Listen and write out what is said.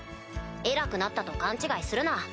偉くなったと勘違いするな。